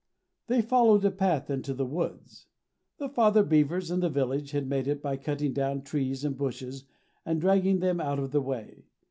They followed a path into the woods. The father beavers in the village had made it by cutting down trees and bushes and dragging them out of the way.